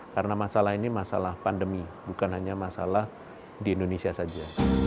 karena masalah ini masalah pandemi bukan hanya masalah di indonesia saja